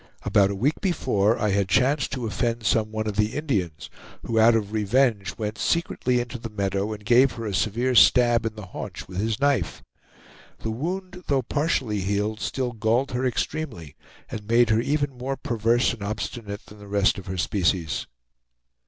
About a week before I had chanced to offend some one of the Indians, who out of revenge went secretly into the meadow and gave her a severe stab in the haunch with his knife. The wound, though partially healed, still galled her extremely, and made her even more perverse and obstinate than the rest of her species.